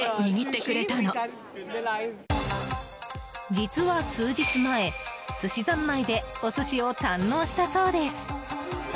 実は数日前、すしざんまいでお寿司を堪能したそうです。